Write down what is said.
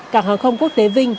cảng hàng không quốc tế vinh